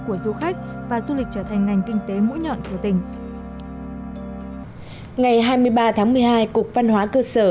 của du khách và du lịch trở thành ngành kinh tế mũi nhọn của tỉnh ngày hai mươi ba tháng một mươi hai cục văn hóa cơ sở